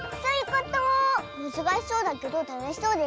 むずかしそうだけどたのしそうでしょ。